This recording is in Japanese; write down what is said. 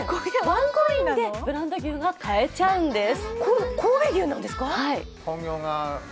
ワンコインでブランド牛が買えちゃうんです。